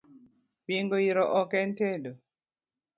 Bingo iro ok en tedo